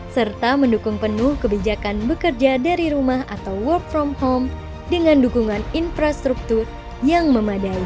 serta mendukung penuh kebijakan bekerja dari rumah atau work from home dengan dukungan infrastruktur yang memadai